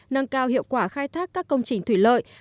nâng cao hiệu quả khai thác các công trình thủy lợi